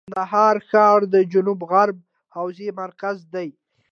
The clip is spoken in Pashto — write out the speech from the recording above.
کندهار ښار د جنوب غرب حوزې مرکز دی.